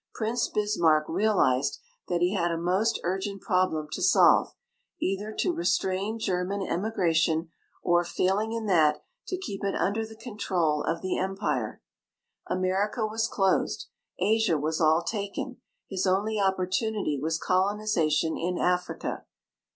Prince Bismarck real ized that he had a most urgent problem to solve, either to re strain German emigration, or, failing in that, to keep it under the control of the empire. America was closed; Asia was all taken ; his only opportunity was colonization in Africa.